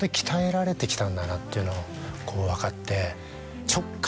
んだなっていうのを分かって。